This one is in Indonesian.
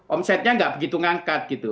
omsetnya nggak begitu ngangkat gitu